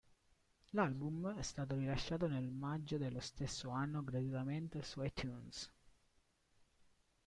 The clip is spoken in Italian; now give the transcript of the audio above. L'album è stato rilasciato nel maggio dello stesso anno gratuitamente su iTunes.